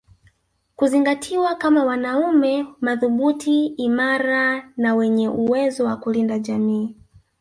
Kuzingatiwa kama wanaume madhubuti imara na wenye uwezo wa kulinda jamii